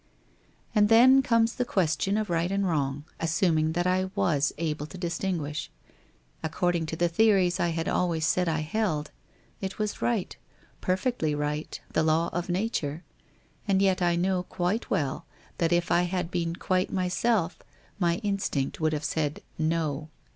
And then comes the question of right and wrong, as suming that I was able to distinguish. According to the WHITE ROSE OF WEARY LEAF 409 theories I had always said 1 held, it was right, perfectly right, the law of nature. And yet I know quite well that if I had been quite myself, my instinct would have said No.